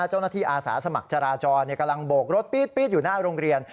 อาสาสมัครจราจรกำลังโบกรถปี๊ดอยู่หน้าโรงเรียน